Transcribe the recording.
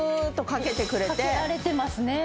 かけられてますね。